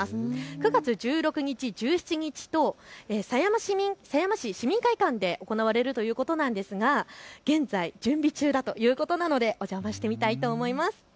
９月１６日、１７日と狭山市市民会館で行われるということなんですが現在準備中だということなのでお邪魔してみたいと思います。